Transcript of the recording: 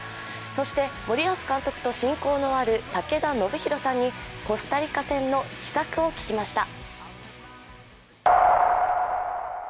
そして、森保監督の親交のある武田修宏さんにコスタリカ戦の秘策を聞きました。